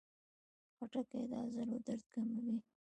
خټکی د عضلو درد کموي.